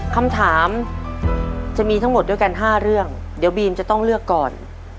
คำถามจะมีทั้งหมดด้วยกัน๕เรื่องเดี๋ยวบีมจะต้องเลือกก่อน